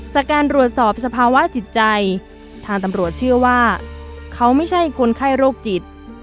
จากการรวดสอบสภาวะจิตใจทางตำรวจเชื่อว่าเขาไม่ใช่คนไข้โรคจิต